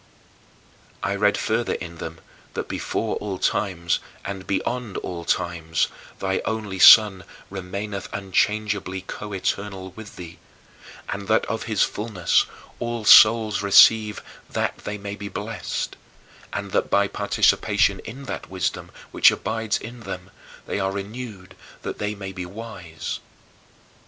I read further in them that before all times and beyond all times, thy only Son remaineth unchangeably coeternal with thee, and that of his fullness all souls receive that they may be blessed, and that by participation in that wisdom which abides in them, they are renewed that they may be wise.